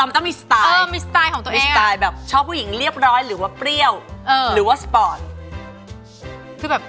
มันต้องมีสไตล์แบบชอบผู้หญิงเรียบร้อยหรือว่าเปรี้ยวหรือว่าสปอร์ต